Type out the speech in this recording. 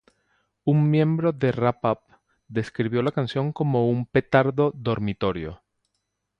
Un miembro de Rap-Up describió la canción como un "petardo dormitorio".